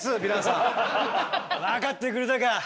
分かってくれたか。